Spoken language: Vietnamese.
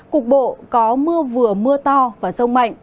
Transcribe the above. cục bộ có mưa vừa mưa to và rông mạnh